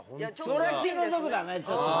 それは気の毒だねちょっとね。